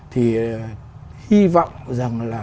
thì hy vọng rằng là